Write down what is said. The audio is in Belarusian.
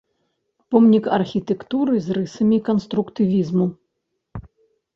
Помнік архітэктуры з рысамі канструктывізму.